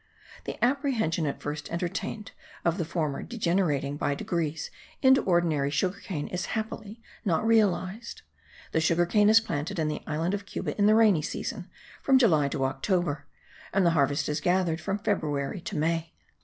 The apprehension at first entertained of the former degenerating by degrees into ordinary sugar cane is happily not realized. The sugar cane is planted in the island of Cuba in the rainy season, from July to October; and the harvest is gathered from February to May.